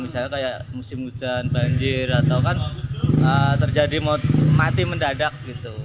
misalnya kayak musim hujan banjir atau kan terjadi mati mendadak gitu